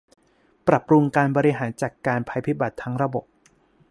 ปรับปรุงการบริหารจัดการภัยพิบัติทั้งระบบ